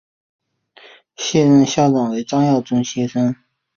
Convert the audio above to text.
现任校长为张耀忠先生。